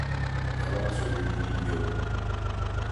Yalan söylediğini biliyorum.